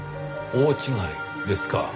大違いですか。